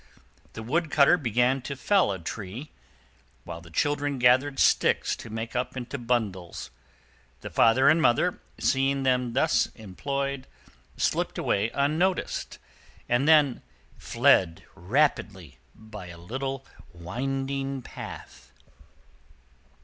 The Wood cutter began to fell a tree, while the children gathered sticks to make up into bundles. The father and mother, seeing them thus employed, slipped away unnoticed, and then fled rapidly, by a little winding path.